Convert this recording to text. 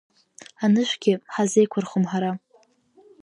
Анышәгь ҳазеиқәырхом ҳара.